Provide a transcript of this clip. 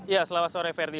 ya selamat sore ferdi